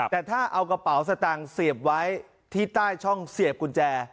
แต่ถ้าเอากระเป๋าสตางค์เสียบไว้ที่ใต้ช่องเสียบกุญแจ